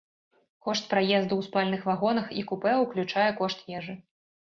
Кошт праезду ў спальных вагонах і купэ ўключае кошт ежы.